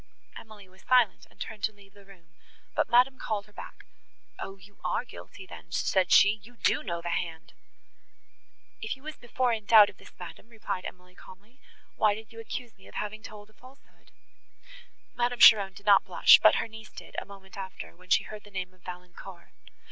Emily was silent, and turned to leave the room, but Madame called her back. "O you are guilty, then," said she, "you do know the hand." "If you were before in doubt of this, madam," replied Emily calmly, "why did you accuse me of having told a falsehood." Madame Cheron did not blush; but her niece did, a moment after, when she heard the name of Valancourt.